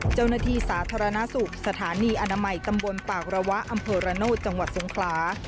เจ้าหน้าที่สาธารณสุขสถานีอนามัยตำบลปากระวะอำเภอระโนธจังหวัดสงขลา